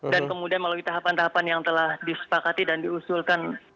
dan kemudian melalui tahapan tahapan yang telah disepakati dan diusulkan